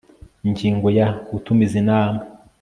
Ingingo ya Gutumiza inama